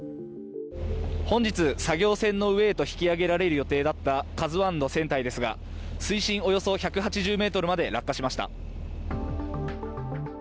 本日作業船の上へと引き上げられる予定だった「ＫＡＺＵ１」の船体ですが、水深およそ１８０ｍまで落下しました。